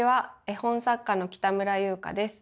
絵本作家の北村裕花です。